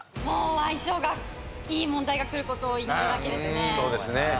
もう相性がいい問題がくる事を祈るだけですね。